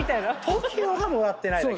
ＴＯＫＩＯがもらってないだけ。